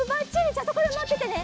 じゃあそこでまっててね。